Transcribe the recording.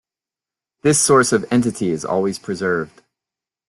This source of entity is always preserved.